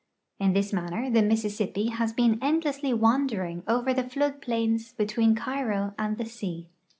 In this manner the Missis.sipj)i has been endlessly wandering over the flood plains between Cairo and the sea.